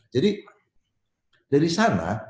jadi dari sana